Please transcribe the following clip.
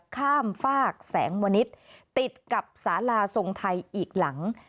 ข้ามฝากแสงมณิษฐ์ติดกับสาลาทรงไทยอีกหลัง